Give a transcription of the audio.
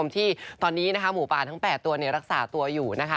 ที่ตอนนี้หมูป่าทั้ง๘ตัวรักษาตัวอยู่นะคะ